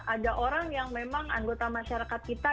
ada orang yang memang anggota masyarakat kita